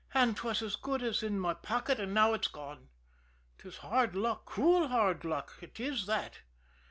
"And 'twas as good as in my pocket, and now 'tis gone. 'Tis hard luck, cruel hard luck. It is that!"